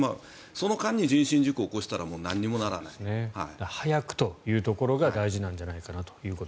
その間に人身事故を起こしたらなんにもならない。早くというところが大事なんじゃないかと。